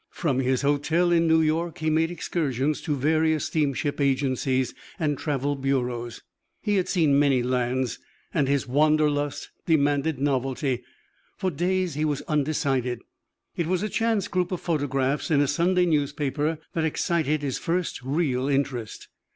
From his hotel in New York he made excursions to various steamship agencies and travel bureaus. He had seen many lands, and his Wanderlust demanded novelty. For days he was undecided. It was a chance group of photographs in a Sunday newspaper that excited his first real interest.